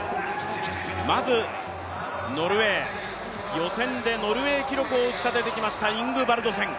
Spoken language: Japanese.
まずノルウェー、予選でノルウェー記録を打ちたててきました、イングバルドセン。